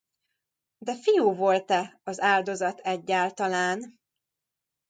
De fiú volt-e az áldozat egyáltalán?